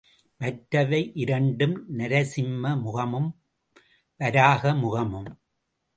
மற்றவை இரண்டும் நரசிம்ம முகமும், வராக முகமும்.